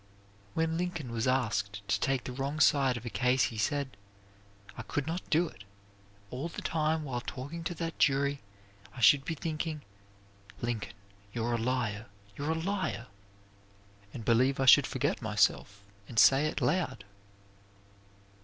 When Lincoln was asked to take the wrong side of a case he said, "I could not do it. All the time while talking to that jury I should be thinking, 'Lincoln, you're a liar, you're a liar,' and I believe I should forget myself and say it out loud."